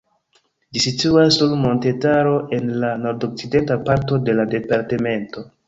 Ĝi situas sur montetaro en la nordokcidenta parto de la departemento.